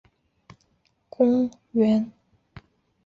是网走国定公园的一部分。